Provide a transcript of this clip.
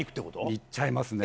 行っちゃいますね。